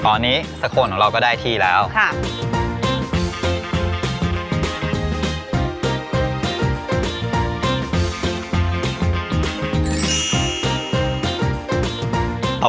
ตอนนี้สโคนของเราก็ได้ที่แล้วค่ะ